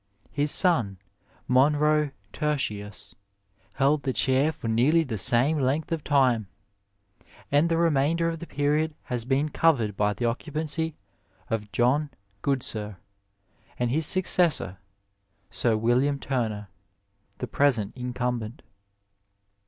His son, Monro tertiuSy held the chair for nearly the same length of time, and the re mainder of the period has been covered by the occupancy of John Gk)odsir, and his successor, Sir William Turner, the present incumbent.